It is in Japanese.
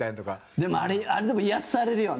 でも、癒やされるよね。